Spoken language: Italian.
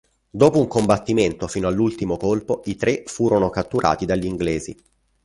Dopo un combattimento fino all'ultimo colpo, i tre furono catturati dagli inglesi.